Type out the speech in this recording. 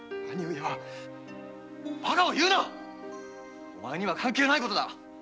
バカを言うなお前には関係ないことだ。